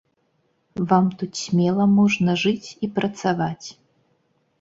Вам тут смела можна жыць і працаваць.